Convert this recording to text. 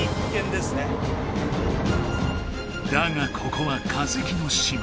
だがここは化石の島。